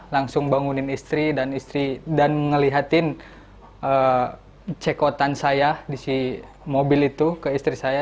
langsung bangunin istri dan istri dan ngelihatin cekotan saya di si mobil itu ke istri saya